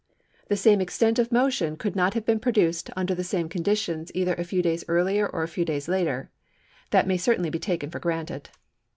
The same extent of motion could not have been produced under the same conditions either a few days earlier or a few days later; that may certainly be taken for granted.